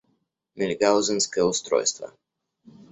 Мильгаузенское устройство.